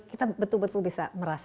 kita betul betul bisa merasa